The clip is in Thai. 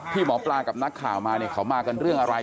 พี่หมอปลากับนักข่าวมาเขามากันเรื่องอะไร